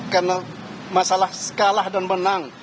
karena masalah kalah dan menang